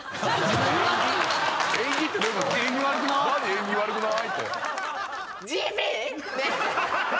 「縁起悪くない？」